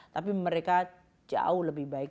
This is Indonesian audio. tapi mereka jauh lebih baik